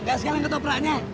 gak sekali ketopraknya